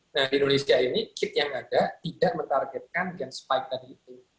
nah di indonesia ini kit yang ada tidak mentargetkan gen spike tadi itu